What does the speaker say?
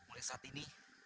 mulai saat ini